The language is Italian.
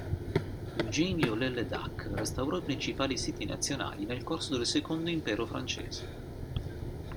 Eugène Viollet-le-Duc, restaurò i principali siti nazionali nel corso del Secondo Impero francese.